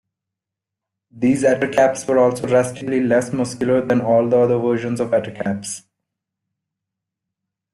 These ettercaps were also drastically less muscular than all the other versions of ettercaps.